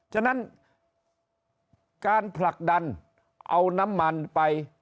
ฉะนั้นการผลักดันเอาน้ำมันไป